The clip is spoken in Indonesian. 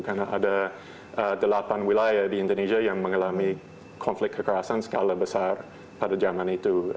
karena ada delapan wilayah di indonesia yang mengalami konflik kekerasan skala besar pada zaman itu